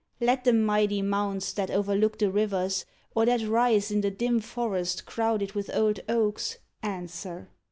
Let the mighty mounds That overlook the rivers, or that rise In the dim forest crowded with old oaks, Answer.